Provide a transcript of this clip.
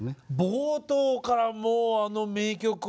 冒頭からもうあの名曲を。